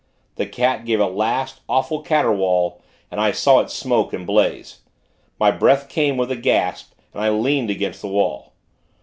The cat gave a last, awful caterwaul, and I saw it smoke and blaze. My breath came with a gasp, and I leant against the wall.